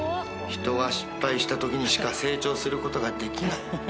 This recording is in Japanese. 人は失敗したときにしか成長することができない。